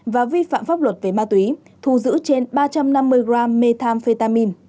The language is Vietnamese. và vi phạm pháp luật về ma túy thù giữ trên ba trăm năm mươi gram methamphetamine